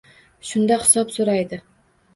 Shunda hisob so’raydi.